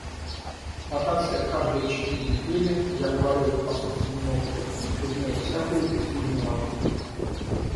Ротация каждые четыре недели, я говорю это по собственному опыту, затрудняет всякую эффективную работу.